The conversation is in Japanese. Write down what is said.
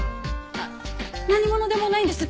あっ何者でもないんです。